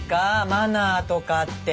マナーとかって。